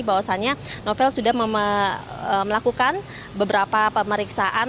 bahwasannya novel sudah melakukan beberapa pemeriksaan